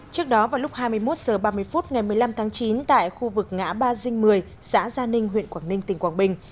trước đó vào lúc hai mươi một h ba mươi phút ngày một mươi năm tháng chín tại khu vực ngã ba dinh một mươi xã gia ninh huyện quảng ninh tỉnh quảng bình